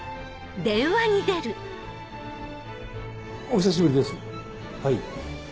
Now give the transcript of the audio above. ＪＫ５！お久しぶりですはい。